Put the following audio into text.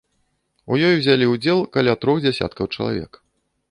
У ёй узялі ўдзел каля трох дзясяткаў чалавек.